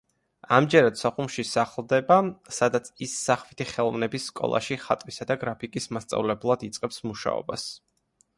ამჯერად სოხუმში სახლდება, სადაც ის სახვითი ხელოვნების სკოლაში ხატვისა და გრაფიკის მასწავლებლად იწყებს მუშაობას.